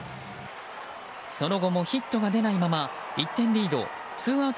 その後もヒットが出ないまま１点リードツーアウト